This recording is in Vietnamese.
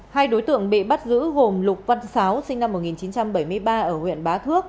hai đối tượng bị bắt giữ gồm lục văn sáo sinh năm một nghìn chín trăm bảy mươi ba ở huyện bá thước